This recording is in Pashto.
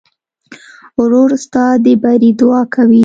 ورور ستا د بري دعا کوي.